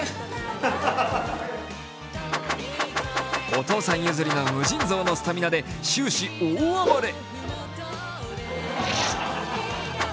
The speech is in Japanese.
お父さん譲りの無尽蔵のスタミナで終始大暴れ。